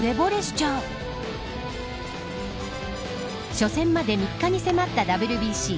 初戦まで３日に迫ったＷＢＣ。